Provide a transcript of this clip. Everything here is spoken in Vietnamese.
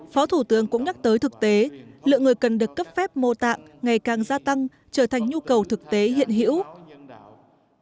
phó thủ tướng cũng nhắc tới thực tế lượng người cần được cấp phép mô tạng ngày càng gia tăng trở thành nhu cầu thực tế hiện hữu